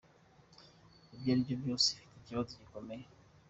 Ibyo aribyo byose afite ikibazo gikomeye.